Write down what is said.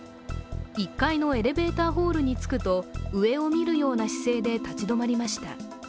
１階のエレベーターホールに着くと上を見るような姿勢で立ち止まりました。